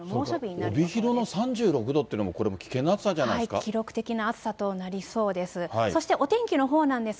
帯広の３６度っていうのも、これも危険な暑さじゃないですか記録的な暑さとなりそうなんです。